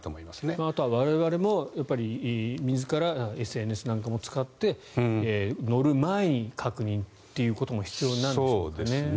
あとは我々も自らＳＮＳなんかも使って乗る前に確認ということも必要なんでしょうかね。